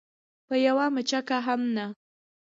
په یوه مچکه هم نه.